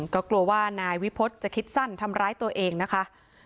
ก็กลัวว่านายวิพฤษจะคิดสั้นทำร้ายตัวเองนะคะ